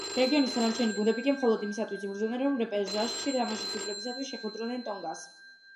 რეგიონის დანარჩები გუნდები კი მხოლოდ იმისათვის იბრძოდნენ, რომ რეპეშაჟში თამაშის უფლებისათვის შეხვედროდნენ ტონგას.